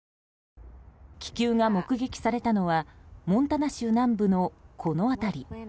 気球が目撃されたのはモンタナ州南部の、この辺り。